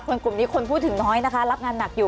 กลุ่มนี้คนพูดถึงน้อยนะคะรับงานหนักอยู่